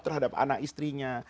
terhadap anak istrinya